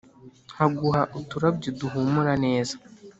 Nkaguha uturabyo duhumura neza